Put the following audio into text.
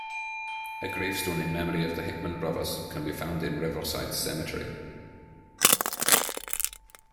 A gravestone in memory of the Hickman brothers can be found in Riverside Cemetery.